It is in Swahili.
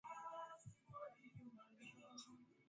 na kwamba wako pale kwa masilahi yao binafsi